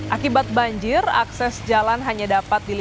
akibat banjir akses jalan hanya dapat dilihat